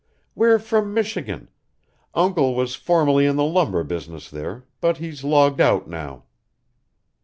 "We're from Michigan. Uncle was formerly in the lumber business there, but he's logged out now."